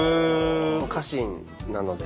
家臣なので。